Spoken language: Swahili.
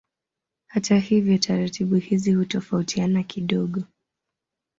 Hata hivyo taratibu hizi hutofautiana kidogo.